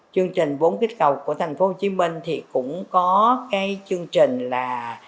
chương trình vốn kích cầu của tp hcm thì cũng có chương trình là